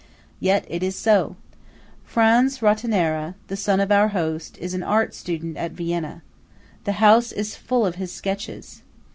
Yet it is so. Franz Rottenara, the son of our host, is an art student at Vienna. The house is full of his sketches.